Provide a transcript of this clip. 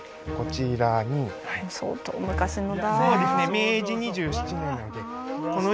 明治２７年なので。